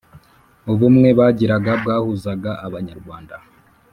Ubumwe bagiraga bwahuzaga Abanyarwanda.